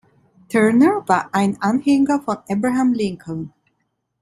Turner war ein Anhänger von Abraham Lincoln.